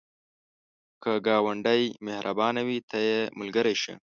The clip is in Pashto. که ګاونډی مهربانه وي، ته یې ملګری شه